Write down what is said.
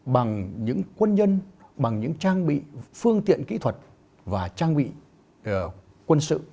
bằng những quân nhân bằng những trang bị phương tiện kỹ thuật và trang bị quân sự